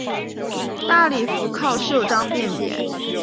大礼服靠袖章辨别。